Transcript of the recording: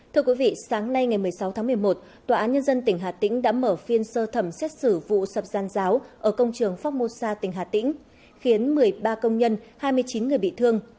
thưa quý vị sáng nay ngày một mươi sáu tháng một mươi một tòa án nhân dân tỉnh hà tĩnh đã mở phiên sơ thẩm xét xử vụ sập giàn giáo ở công trường phong mô sa tỉnh hà tĩnh khiến một mươi ba công nhân hai mươi chín người bị thương